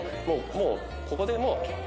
もうここでもう。